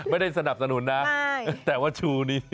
ไม่ได้สนับสนุนนะแต่ว่าชูนี้